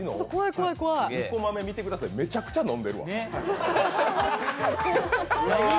２コマ目見てください、めちゃくちゃ飲んでるわ。